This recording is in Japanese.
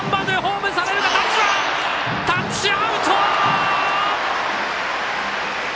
タッチアウト！